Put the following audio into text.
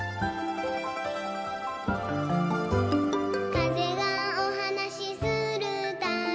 「かぜがおはなしするたび」